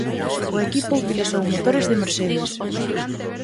O equipo utilizou motores de Mercedes.